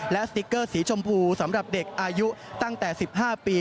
และสติ๊กเกอร์สีชมพูสำหรับเด็กอายุตั้งแต่๑๕ปี